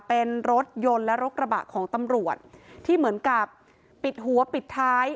เป็นรถยนต์และรถกระบะของตำรวจที่เหมือนกับปิดหัวปิดท้าย